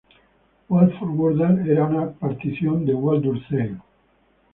Waldburg-Wurzach era una partición de Waldburg-Zeil.